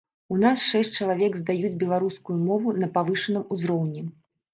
У нас шэсць чалавек здаюць беларускую мову на павышаным узроўні.